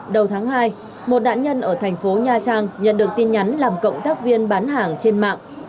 đầu tháng hai một nạn nhân ở thành phố nha trang nhận được tin nhắn làm cộng tác viên bán hàng trên mạng